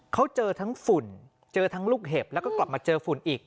เขาเจอทั้งฝุ่นเจอทั้งลูกเห็บแล้วก็กลับมาเจอฝุ่นอีก